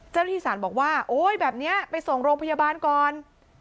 เจ้าหน้าที่ศาลบอกว่าโอ๊ยแบบนี้ไปส่งโรงพยาบาลก่อน